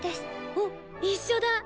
おっ一緒だ！